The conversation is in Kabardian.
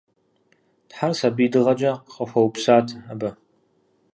Тхьэр сабий дыгъэкӏэ къахуэупсат абы.